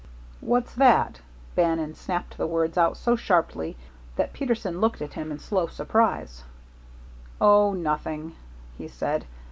"What's that?" Bannon snapped the words out so sharply that Peterson looked at him in slow surprise. "Oh, nothing," he said.